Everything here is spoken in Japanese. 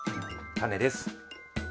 タネです。